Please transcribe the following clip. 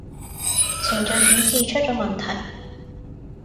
程序顯示出咗問題